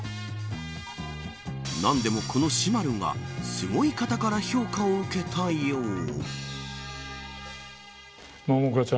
何でもこのしまるんがすごい方から評価を受けたよう。